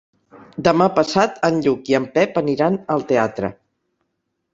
Demà passat en Lluc i en Pep aniran al teatre.